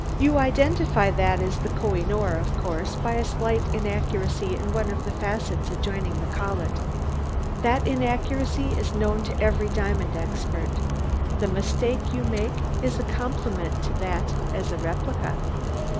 "You identify that as the Koh i noor, of course, by a slight inaccuracy in one of the facets adjoining the collet. That inaccuracy is known to every diamond expert the mistake you make is a compliment to that as a replica."